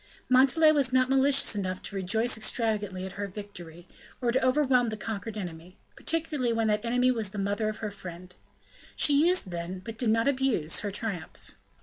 Montalais was not malicious enough to rejoice extravagantly at her victory, or to overwhelm the conquered enemy, particularly when that enemy was the mother of her friend; she used then, but did not abuse her triumph.